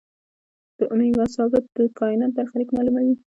د اومېګا ثابت د کائنات برخلیک معلوموي.